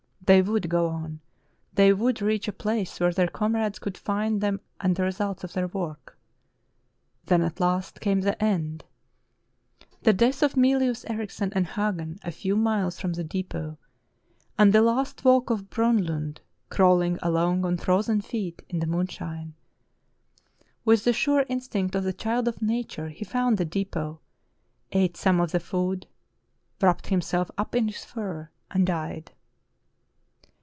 They would go on, they would reach a place where their comrades could find them and the results of their work. Then at last came the end, the death of Mylius Erichsen and Hagen a few miles from the depot, and the last walk of Bronlund, crawling along on frozen feet in the moonshine. With the sure in stinct of the child of nature, he found the depot, ate some of the food, wrapped himself up in his fur, and died.'